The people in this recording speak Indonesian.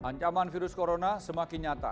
ancaman virus corona semakin nyata